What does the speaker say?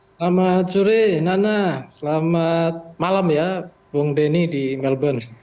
selamat sore nana selamat malam ya bung denny di melbourne